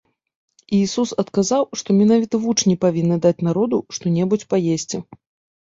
Ісус адказаў, што менавіта вучні павінны даць народу што-небудзь паесці.